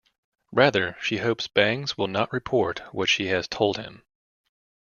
Rather, she hopes Bangs will not report what she has told him.